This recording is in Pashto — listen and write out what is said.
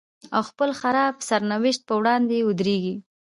او خپل خراب سرنوشت په وړاندې ودرېږي.